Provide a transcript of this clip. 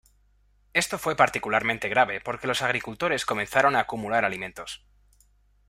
Esto fue particularmente grave porque los agricultores comenzaron a acumular alimentos.